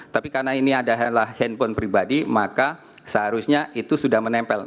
tapi karena ini adalah handphone pribadi maka seharusnya itu sudah menempel